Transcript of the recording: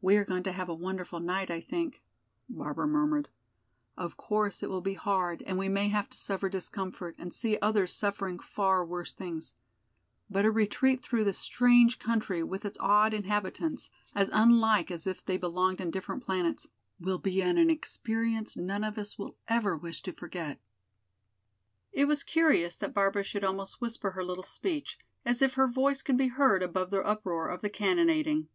"We are going to have a wonderful night, I think," Barbara murmured. "Of course it will be hard and we may have to suffer discomfort and see others suffering far worse things. But a retreat through this strange country, with its odd inhabitants, as unlike as if they belonged in different planets, will be an experience none of us will ever wish to forget." It was curious that Barbara should almost whisper her little speech, as if her voice could be heard above the uproar of the cannonading.